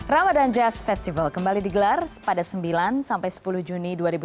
ramadan jazz festival kembali digelar pada sembilan sampai sepuluh juni dua ribu tujuh belas